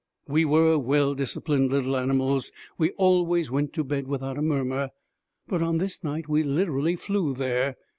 We were well disciplined little animals; we always went to bed without a murmur, but on this night we literally flew there.